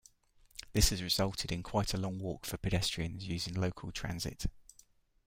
This has resulted in quite a long walk for pedestrians using local transit.